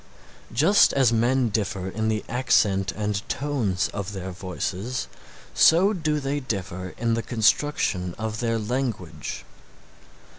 Just as men differ in the accent and tones of their voices, so do they differ in the construction of their language.